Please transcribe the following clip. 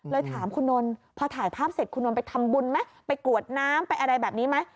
ถามคุณนนท์พอถ่ายภาพเสร็จคุณนนท์ไปทำบุญไหมไปกรวดน้ำไปอะไรแบบนี้ไหม